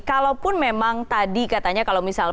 kalaupun memang tadi katanya kalau misal